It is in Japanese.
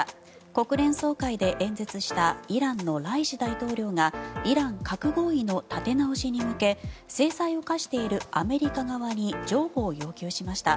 国連総会で演説したイランのライシ大統領がイラン核合意の立て直しに向け制裁を科しているアメリカ側に譲歩を要求しました。